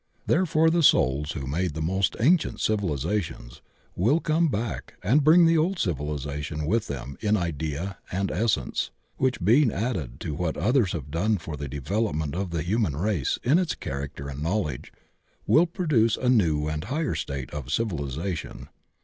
Therefore the souls who made the most ancient civilizations will come back and bring the old civilization with them in idea and essence, which being added to what others have done for the develop ment of the human race in its character and knowledge will produce a new and higher state of civilization.